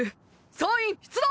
総員出動！